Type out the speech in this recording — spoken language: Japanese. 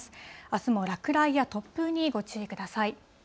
あすも落雷や突風にご注意ください。